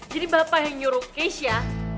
jadi bapak yang nyuruh keisha